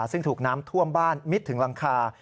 ซึ่งถูกน้ำท่วมบ้านมิดถึงหลังคา